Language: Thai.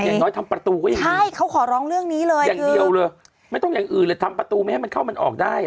อย่างน้อยทำประตูก็ยังมีอย่างเดียวเลยไม่ต้องอย่างอื่นเลยทำประตูไม่ให้เข้ามันออกได้